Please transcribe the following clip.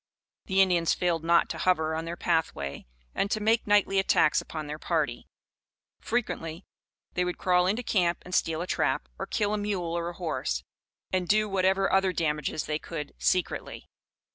The Indians failed not to hover on their pathway, and to make nightly attacks upon their party. Frequently they would crawl into camp and steal a trap, or kill a mule or a horse, and do whatever other damage they could secretly.